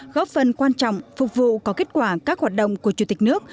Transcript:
góp phần quan trọng phục vụ có kết quả các hoạt động của chủ tịch nước